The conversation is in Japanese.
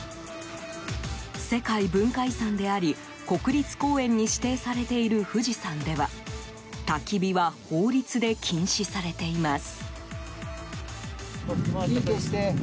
世界文化遺産であり国立公園に指定されている富士山ではたき火は法律で禁止されています。